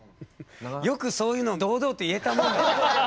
よくそういうのを堂々と言えたもんだよね。